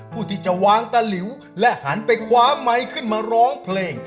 ผู้ที่จะวางตะหลิวและหันไปคว้าไมค์ขึ้นมาร้องเพลง